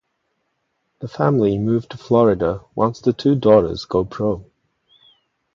The family move to Florida once the two daughters go pro.